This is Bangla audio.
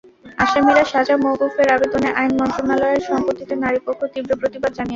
আসামির সাজা মওকুফের আবেদনে আইন মন্ত্রণালয়ের সম্মতিতে নারীপক্ষ তীব্র প্রতিবাদ জানিয়েছে।